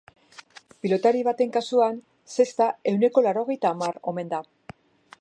Pilotari baten kasuan, zesta ehuneko laurogeita hamar omen da.